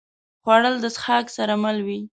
خوړل د څښاک سره مل وي